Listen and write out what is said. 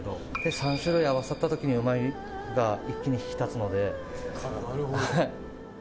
３種類合わさった時にうまみが一気に引き立つので。